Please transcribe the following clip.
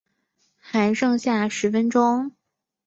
还剩下十分钟